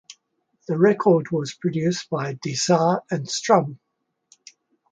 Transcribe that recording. The record was produced by De Sa and Strum.